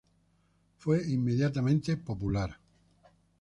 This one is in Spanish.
Fue inmediatamente popular.